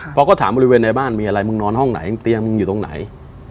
พอก็ถามบริเวณในบ้านมีอะไรมึงนอนห้องไหนเตียงมึงอยู่ตรงไหน